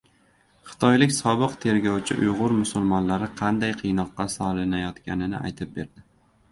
Xitoylik sobiq tergovchi uyg‘ur musulmonlari qanday qiynoqqa solinayotganini aytib berdi